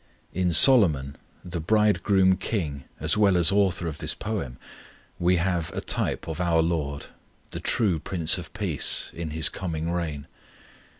In Solomon, the bridegroom king, as well as author of this poem, we have a type of our LORD, the true Prince of peace, in His coming reign.